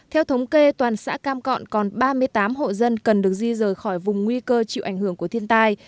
theo thống kê toàn xã cam cọn còn ba mươi tám hộ dân cần được di rời khỏi vùng nguy cơ chịu ảnh hưởng của thiên tai